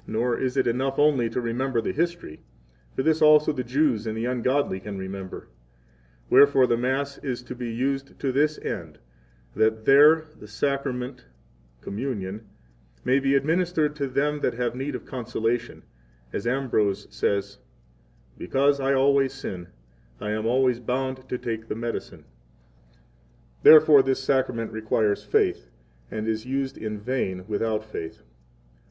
32 Nor is it enough only to remember the history; for this also the Jews and the ungodly can remember. 33 Wherefore the Mass is to be used to this end, that there the Sacrament [Communion] may be administered to them that have need of consolation; as Ambrose says: Because I always sin, I am always bound to take the medicine. [Therefore this Sacrament requires faith, and is used in vain without faith.